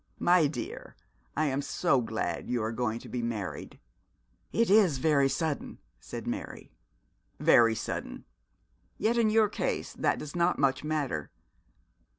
My dear, I am so glad you are going to be married.' 'It is very sudden,' said Mary. 'Very sudden; yet in your case that does not much matter.